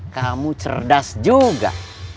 kamu cerdas juga